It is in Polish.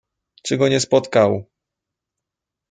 "czy go nie spotkał!"